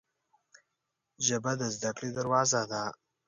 ژبه د زده کړې دروازه ده